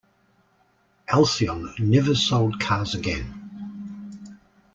Alcyon never sold cars again.